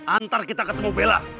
antar kita ketemu bella